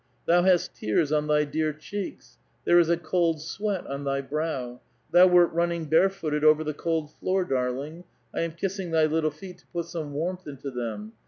" Thou hast tears on thy dear cheeks ! There is a cold sweat on thy brow ! Thou wert running barefooted over the cold floor, darling. I am kissing thy little feet to put some warmth into them."